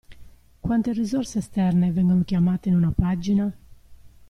Quante risorse esterne vengono chiamate in una pagina?